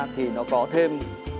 thì nó có thêm